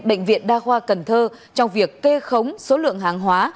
bệnh viện đa khoa cần thơ trong việc kê khống số lượng hàng hóa